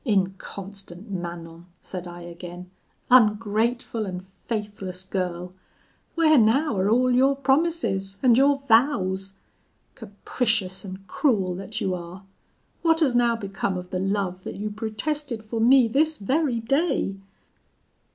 'Inconstant Manon,' said I again, 'ungrateful and faithless girl, where now are all your promises and your vows? Capricious and cruel that you are! what has now become of the love that you protested for me this very day?